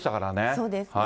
そうですね。